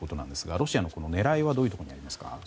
ロシアの狙いはどういうところにありますか？